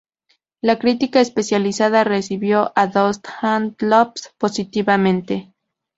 La crítica especializada recibió a "Dots and Loops" positivamente.